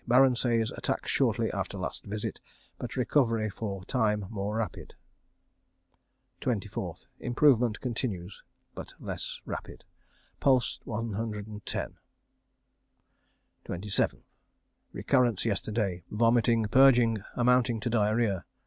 Baron says attack shortly after last visit, but recovery for time more rapid. 24th. Improvement continues, but less rapid. Pulse 110. 27th. Recurrence yesterday. Vomiting, purging amounting to diarrhoea.